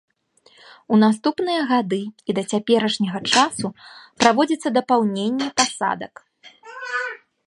У наступныя гады і да цяперашняга часу праводзіцца дапаўненне пасадак.